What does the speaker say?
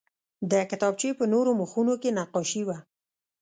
د کتابچې په نورو مخونو کې نقاشي وه